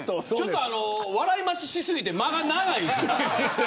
笑い待ちし過ぎて間が長い。